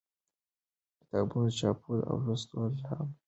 د کتابونو چاپول او لوستل عام کړئ.